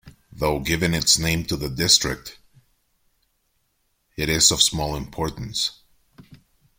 Though giving its name to the District, it is of small importance.